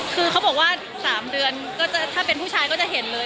คือเขาบอกว่า๓เดือนก็จะถ้าเป็นผู้ชายก็จะเห็นเลย